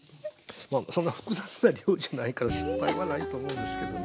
そんな複雑な料理じゃないから失敗はないと思うんですけどね。